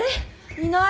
いない。